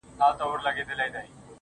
اوس يې څنگه ښه له ياده وباسم.